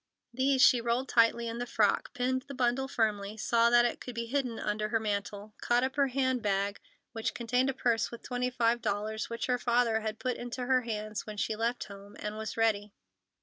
These she rolled tightly in the frock, pinned the bundle firmly, saw that it could be hidden under her mantle, caught up her hand bag which contained a purse with twenty five dollars which her father had put into her hands when she left home, and was ready.